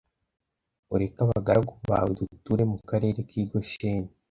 ureke abagaragu bawe duture mu karere k i Gosheni